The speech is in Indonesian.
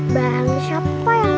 bang siapa yang